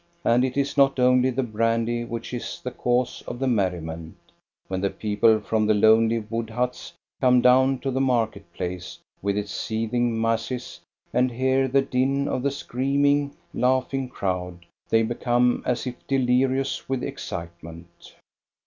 And it is not only the brandy which is the cause of the merriment ; when the people from the lonely wood huts come down to the market place with its seeth ing masses, and hear the din of the screaming, laughing crowd, they become as if delirious with excitement.